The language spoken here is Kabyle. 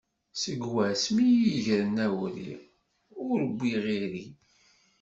Seg wass mi i yi-gren awri, ur wwiɣ iri.